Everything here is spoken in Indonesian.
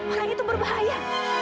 orang itu berbahaya